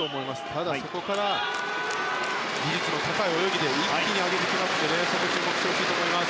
ただ、そこから技術の高い泳ぎで一気に上げてきますので注目してほしいと思います。